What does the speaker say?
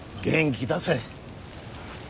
元気出せ。